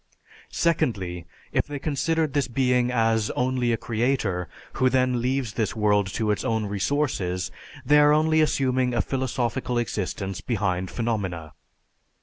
Secondly, if they considered this being as only a creator, who then leaves this world to its own resources, they are only assuming a philosophical existence behind phenomena.